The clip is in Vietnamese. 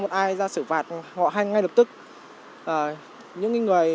à thèm quá anh có hay hút thuốc lá ở nơi công cộng không ạ